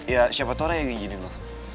ya siapa tau ray yang nginjinin lo